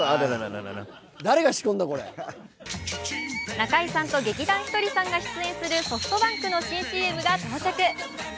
中居さんと劇団ひとりさんが出演するソフトバンクの新ＣＭが到着。